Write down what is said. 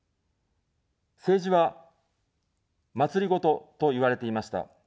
政治は、まつりごとといわれていました。